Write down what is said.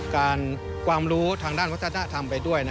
ความรู้ทางด้านวัฒนธรรมไปด้วย